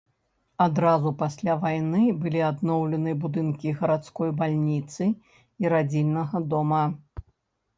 Адразу пасля вайны былі адноўлены будынкі гарадской бальніцы і радзільнага дома.